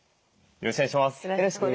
よろしくお願いします。